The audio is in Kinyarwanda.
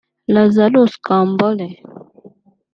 Lazarous Kambole